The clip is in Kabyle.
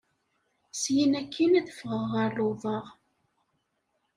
Syin akkin ad fɣeɣ ɣer luḍa.